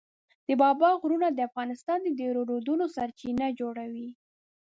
د بابا غرونه د افغانستان د ډېرو رودونو سرچینه جوړوي.